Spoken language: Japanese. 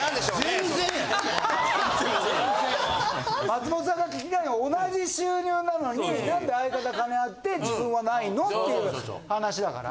松本さんが聞きたいのは同じ収入なのに何で相方金あって自分はないの？っていう話だから。